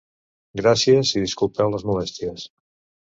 Gràcies i disculpeu les molèsties.